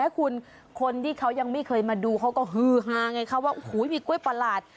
คุณคนที่เขายังไม่เคยมาดูเขาก็ฮือฮาไงคะว่าโอ้โหมีกล้วยประหลาด